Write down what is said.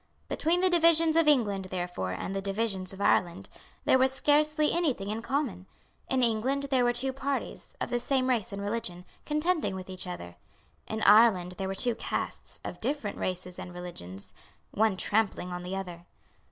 Between the divisions of England, therefore, and the divisions of Ireland, there was scarcely any thing in common. In England there were two parties, of the same race and religion, contending with each other. In Ireland there were two castes, of different races and religions, one trampling on the other.